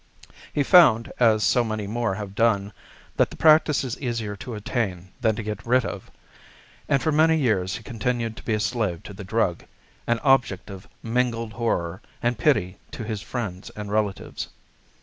He found, as so many more have done, that the practice is easier to attain than to get rid of, and for many years he continued to be a slave to the drug, an object of mingled horror and pity to his friends and relatives.